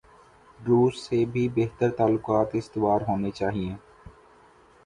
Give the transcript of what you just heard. روس سے بھی بہتر تعلقات استوار ہونے چائیں۔